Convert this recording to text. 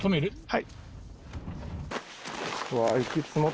はい。